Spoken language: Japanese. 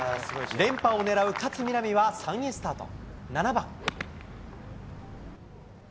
連覇を狙う勝みなみは３位スタート。